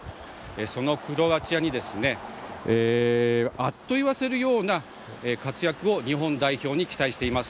そのクロアチアにあっと言わせるような活躍を日本代表に期待しています。